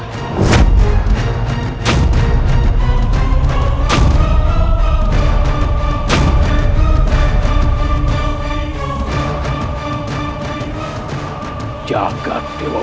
kau tak bisa menangkap aku